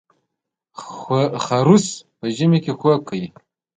خرس په ژمي کې خوب کوي